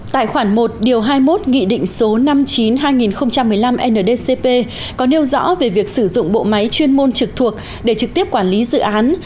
tại khoản một điều hai mươi một nghị định số năm mươi chín hai nghìn một mươi năm ndcp có nêu rõ về việc sử dụng bộ máy chuyên môn trực thuộc để trực tiếp quản lý dự án